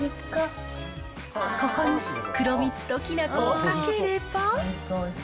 ここに黒蜜ときな粉をかければ。